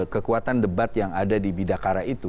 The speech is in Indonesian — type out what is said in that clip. kekuatan debat yang ada di bidakara itu